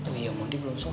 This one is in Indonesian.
oh iya bondi belum sholat